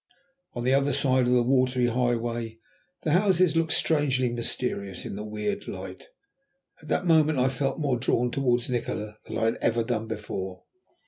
On the other side of the watery highway the houses looked strangely mysterious in the weird light. At that moment I felt more drawn towards Nikola than I had ever done before.